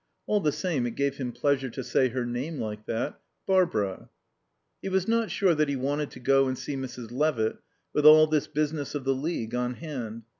All the same, it gave him pleasure to say her name like that: "Barbara." He was not sure that he wanted to go and see Mrs. Levitt with all this business of the League on hand.